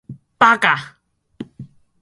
八嘎！